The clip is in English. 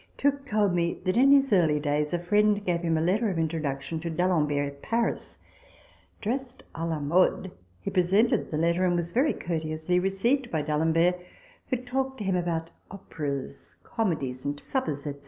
Tooke told me that in his early days a friend gave him a letter of introduction to D'Alembert at Paris. Dressed a la mode, he presented the letter, and was very courteously received by D'Alembert, who talked to him about operas, comedies, and suppers, &c.